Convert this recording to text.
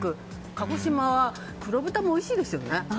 鹿児島は黒豚もおいしいですよね。